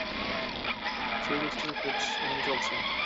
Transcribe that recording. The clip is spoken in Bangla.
সেই তত্ত্বটার খোঁজ এখনো চলছে।